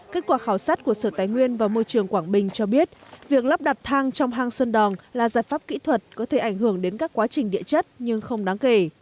kết quả khảo sát của sở tài nguyên và môi trường quảng bình cho biết việc lắp đặt thang trong hang sơn đòn là giải pháp kỹ thuật có thể ảnh hưởng đến các quá trình địa chất nhưng không đáng kể